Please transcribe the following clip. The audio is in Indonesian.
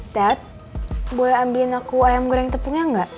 dad boleh ambilin aku ayam goreng tepungnya gak